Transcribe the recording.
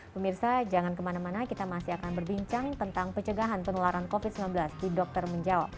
pemirsa jangan kemana mana kita masih akan berbincang tentang pencegahan penularan covid sembilan belas di dokter menjawab